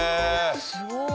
すごい。